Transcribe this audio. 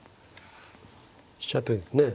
飛車取りですね。